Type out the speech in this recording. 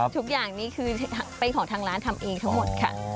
ทุกอย่างนี้คือเป็นของทางร้านทำเองทั้งหมดค่ะ